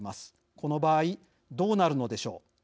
この場合、どうなるのでしょう。